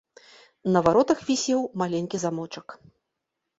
На варотах вісеў маленькі замочак.